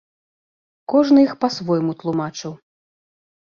Кожны іх па-свойму тлумачыў.